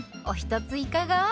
おひとついかが？